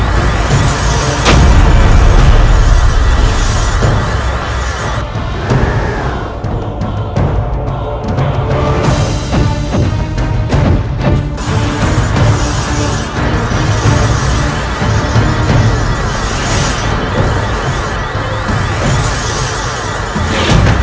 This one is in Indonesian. selasi selasi bangun selasi